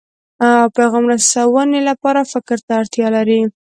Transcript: او پیغام رسونې لپاره فکر ته اړتیا لري.